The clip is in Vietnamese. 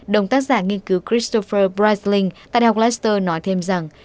đồng tác giả nghiên cứu christopher bresling tại đại học leicester nói thêm rằng